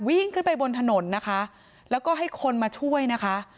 วิ่งขึ้นไปบนถนนนะคะแล้วก็ให้คนมาช่วยนะคะ